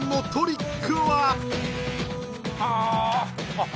あっ